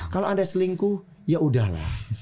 kalau anda selingkuh ya udahlah